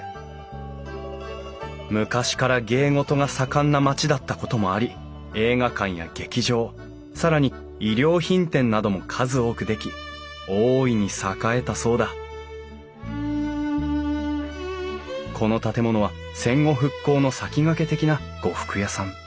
昔から芸事が盛んな町だったこともあり映画館や劇場更に衣料品店なども数多く出来大いに栄えたそうだこの建物は戦後復興の先駆け的な呉服屋さん。